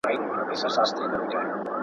په لاره کي يې اغېزې پاته وي